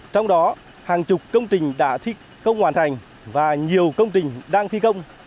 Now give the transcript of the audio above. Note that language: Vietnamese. trong đó hàng chục công trình đã thi công hoàn thành và nhiều công trình đang thi công